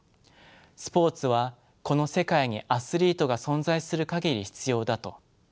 「スポーツはこの世界にアスリートが存在する限り必要だ」と。